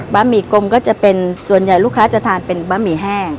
ะหมี่กลมก็จะเป็นส่วนใหญ่ลูกค้าจะทานเป็นบะหมี่แห้ง